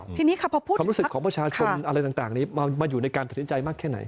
ความรู้สึกของประชาชนอะไรต่างนี้มาอยู่ในการสัญญาณใจมากแค่ไหน